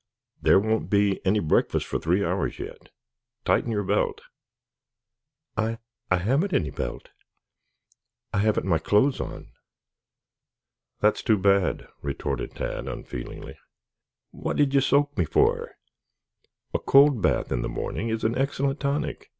"There won't be any breakfast for three hours yet. Tighten your belt." "I I haven't any belt. I haven't my clothes on." "That's too bad," retorted Tad unfeelingly. "What'd you soak me for?" "A cold bath in the morning is an excellent tonic.